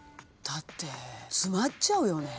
だって詰まっちゃうよね。